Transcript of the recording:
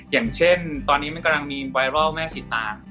อย่างเช่นตอนนี้มันกำลังมีวีรัลไม่ศิษรอยู่